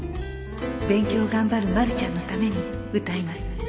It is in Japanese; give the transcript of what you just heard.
勉強を頑張るまるちゃんのために歌います